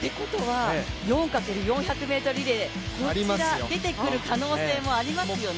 ４×４００リレー、こちらに出てくる可能性もありますよね。